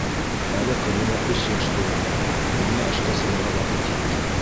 Әле ҡыҙыма өс йәш тула, миңә эшкә сығырға ваҡыт етте.